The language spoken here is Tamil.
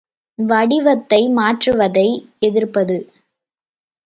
வடிவத்தை மாற்றுவதை எதிர்ப்பது.